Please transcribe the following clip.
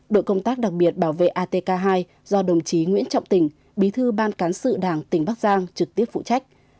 đội công tác đặc biệt bảo vệ atk hai do đồng chí nguyễn trọng tỉnh bí thư ban cán sự đảng tỉnh bắc giang trực tiếp phụ trách